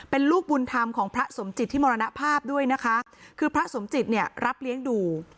เป็นลูกบุญธรรมของพระสมจิตที่มรณภาพด้วยนะคะคือพระสมจิตเนี่ยรับเลี้ยงดู